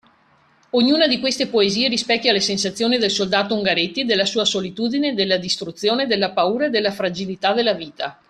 Ognuna di queste poesie rispecchia le sensazioni del soldato Ungaretti, della sua solitudine, della distruzione, della paura e della fragilità della vita.